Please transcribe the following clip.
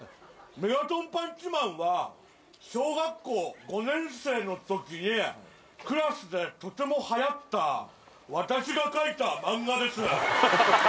メガトンパンチマンは小学校５年生のときにクラスでとてもはやった、私が描いたマンガです。